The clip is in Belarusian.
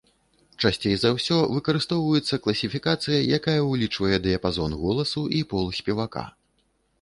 Часцей за ўсё выкарыстоўваецца класіфікацыя, якая ўлічвае дыяпазон голасу і пол спевака.